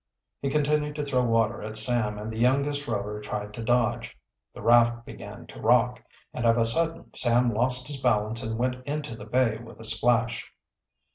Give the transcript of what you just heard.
He continued to throw water at Sam and the youngest Rover tried to dodge. The raft began to rock, and of a sudden Sam lost his balance and went into the bay with a splash.